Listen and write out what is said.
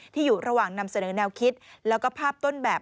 อยู่ระหว่างนำเสนอแนวคิดแล้วก็ภาพต้นแบบ